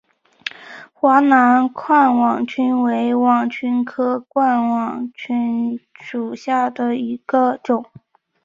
华南冠网椿为网蝽科冠网蝽属下的一个种。